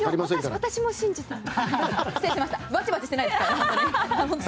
私も信じています。